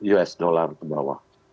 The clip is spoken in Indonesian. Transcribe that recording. seratus usd ke bawah